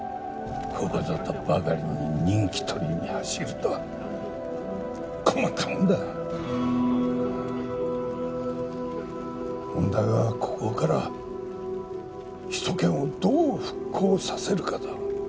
ここぞとばかりに人気取りに走るとは困ったもんだ問題はここから首都圏をどう復興させるかだ